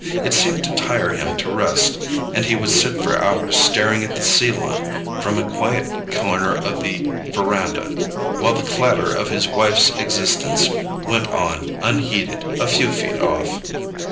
It seemed to tire him to rest, and he would sit for hours staring at the sea line from a quiet corner of the verandah, while the clatter of his wife's existence went on unheeded a few feet off.